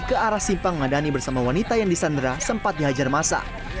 ke arah simpang ngadani bersama wanita yang disandra sempatnya hajar massa